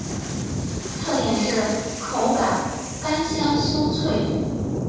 特点是口感干香酥脆。